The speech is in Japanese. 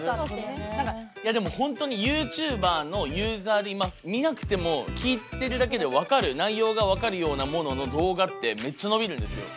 いやでも本当にＹｏｕＴｕｂｅｒのユーザーで今見なくても聞いてるだけで内容が分かるようなものの動画ってめっちゃ伸びるんですよ。